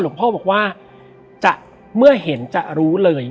และวันนี้แขกรับเชิญที่จะมาเชิญที่เรา